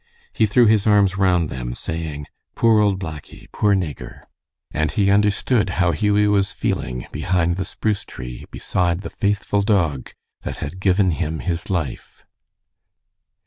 He threw his arms round them, saying, "Poor old Blackie! Poor Nigger!" and he understood how Hughie was feeling behind the spruce tree beside the faithful dog that had given him his life.